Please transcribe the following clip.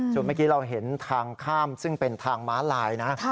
ส่วนเมื่อกี้เราเห็นทางข้ามซึ่งเป็นทางม้าลายนะ